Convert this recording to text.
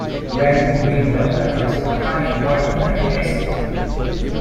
Red and green bell peppers are high in para-coumaric acid.